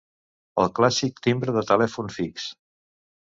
El clàssic timbre de telèfon fix.